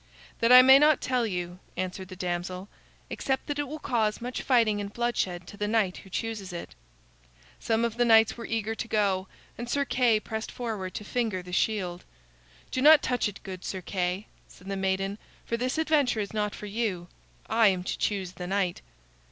"That I may not tell you," answered the damsel, "except that it will cause much fighting and bloodshed to the knight who chooses it." Some of the knights were eager to go, and Sir Kay pressed forward to finger the shield. "Do not touch it, good Sir Kay," said the maiden, "for this adventure is not for you. I am to choose the knight."